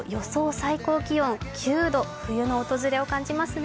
最高気温、９度、冬の訪れを感じますね。